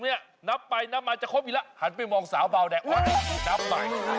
นี่นับไปนับมาจะครบอีกแล้วหันไปมองสาวเบาแดงนับใหม่